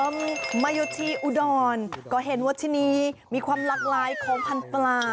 มาอยู่ที่อุดรก็เห็นว่าที่นี่มีความหลากหลายของพันธุ์ปลา